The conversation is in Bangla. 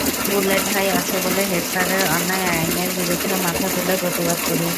বুলেট ভাই আছে বলে হেডস্যারের অন্যায় আইনের বিরুদ্ধে মাথা তুলে প্রতিবাদ করি।